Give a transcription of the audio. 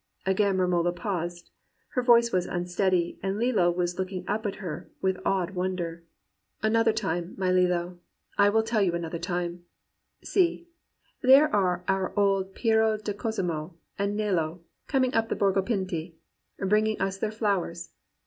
"Again Romola paused. Her voice was unsteady, and Lillo was looking up at her with awed wonder. 153 COMPANIONABLE BOOKS "* Another time, my Lillo — I will tell you an other time. See, there are our old Piero di Cosimo and Nello coming up the Borgo Pinti, bringing us their flowers.